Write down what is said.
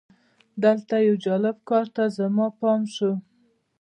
دلته یو جالب کار ته زما پام شو.